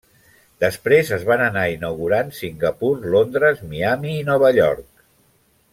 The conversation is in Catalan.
Després es van anar inaugurant Singapur, Londres, Miami i Nova York.